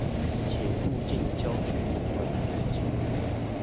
且物鏡的焦距遠短於目鏡